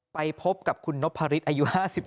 ไปพบกับคุณนพฤษอายุ๕๓